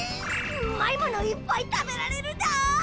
うまいものいっぱい食べられるだ！